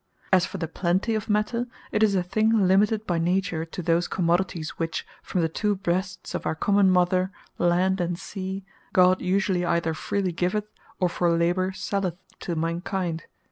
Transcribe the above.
As for the Plenty of Matter, it is a thing limited by Nature, to those commodities, which from (the two breasts of our common Mother) Land, and Sea, God usually either freely giveth, or for labour selleth to man kind.